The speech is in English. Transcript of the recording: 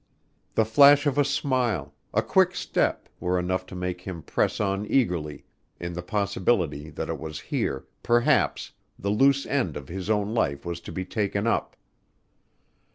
The flash of a smile, a quick step, were enough to make him press on eagerly in the possibility that it was here, perhaps, the loose end of his own life was to be taken up.